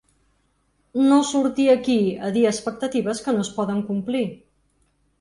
No surti aquí a dir expectatives que no es poden complir.